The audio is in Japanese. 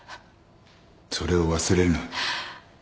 それを忘れるな。